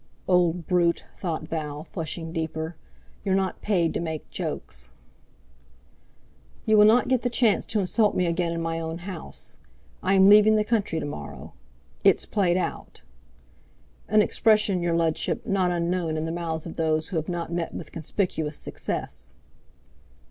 "Old brute!" thought Val, flushing deeper; "you're not paid to make jokes!" "'You will not get the chance to insult me again in my own house. I am leaving the country to morrow. It's played out'—an expression, your Ludship, not unknown in the mouths of those who have not met with conspicuous success."